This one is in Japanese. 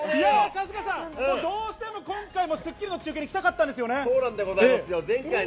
春日さん、どうしても今回『スッキリ』の中継に来たかったんですよね？